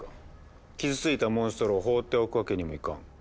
傷ついたモンストロを放っておくわけにもいかん。